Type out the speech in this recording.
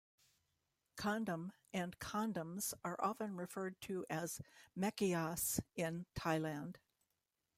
Condom", and condoms are often referred as "mechais" in Thailand.